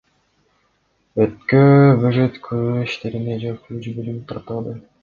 Өрткө бөгөт коюу иштерине жалпы үч бөлүм тартылды.